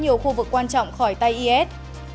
nhiều khu vực quan trọng khỏi tay is